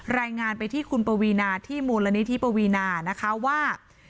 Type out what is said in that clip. รายงานไปที่คุณปวีนาที่มูลนิธิปวีนานะคะว่า